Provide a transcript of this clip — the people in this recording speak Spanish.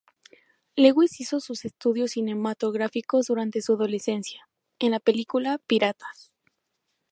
Lewis hizo sus estudios cinematográficos durante su adolescencia, en la película "Piratas".